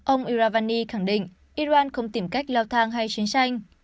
ông iravani khẳng định iran không tìm cách leo thang hay chiến tranh